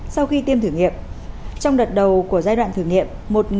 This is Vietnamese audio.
sau khi tiêm thử nghiệm trong đợt đầu của giai đoạn thử nghiệm